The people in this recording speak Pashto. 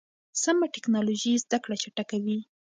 سمه ټکنالوژي زده کړه چټکوي.